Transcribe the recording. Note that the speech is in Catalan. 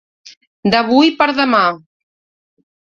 D'avui per demà.